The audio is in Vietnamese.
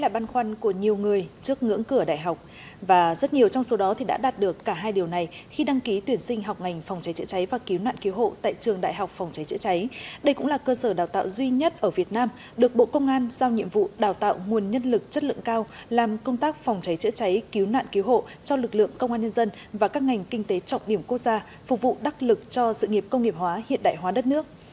phòng cháy chữa cháy cứu nạn cứu hộ cho lực lượng công an nhân dân và các ngành kinh tế trọng điểm quốc gia phục vụ đắc lực cho sự nghiệp công nghiệp hóa hiện đại hóa đất nước